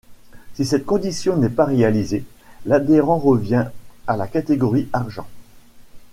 Si cette condition n'est pas réalisée, l'adhérent revient à la catégorie Argent.